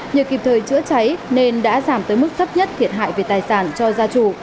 nhờ kịp thời chữa cháy nên đã giảm tới mức thấp nhất thiệt hại về tài sản cho gia chủ